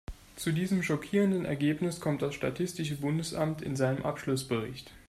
Zu diesem schockierenden Ergebnis kommt das statistische Bundesamt in seinem Abschlussbericht.